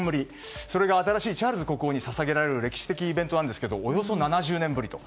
それが新しいチャールズ国王に捧げられる歴史的なイベントなんですがおよそ７０年ぶりと。